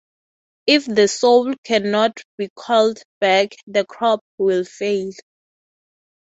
If the soul cannot be called back, the crop will fail.